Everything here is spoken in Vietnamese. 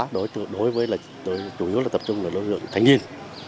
đối với tổ chức tập trung lợi dụng thanh niên